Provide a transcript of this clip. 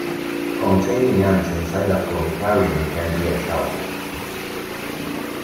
Containing ants inside a formicarium can be a challenge.